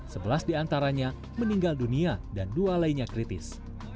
sebelas di antaranya meninggal dunia dan dua lainnya kritis